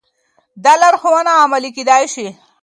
دا لارښوونه عملي کېدای شي.